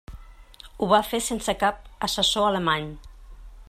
Ho va fer sense cap assessor alemany.